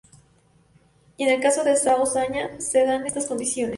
Y en el caso del Alto Zaña se dan estas condiciones.